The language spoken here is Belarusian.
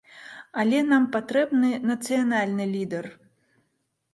Але нам патрэбны нацыянальны лідар.